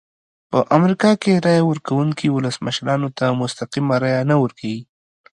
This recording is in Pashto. په امریکا کې رایه ورکوونکي ولسمشرانو ته مستقیمه رایه نه ورکوي.